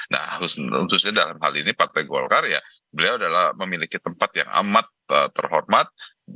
nah khususnya dalam hal ini partai golkar ya beliau adalah memiliki tempat yang amat terhormat